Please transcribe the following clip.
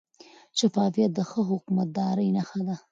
شفافیت د ښه حکومتدارۍ نښه ده.